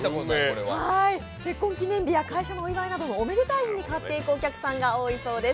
結婚記念日や会社のお祝いなどおめでたい日に買っていくお客さんが多いそうです。